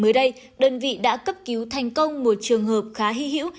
mới đây đơn vị đã cấp cứu thành công một trường hợp khá hy hữu